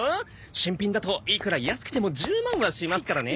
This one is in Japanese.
新品だといくら安くても１０万はしますからね。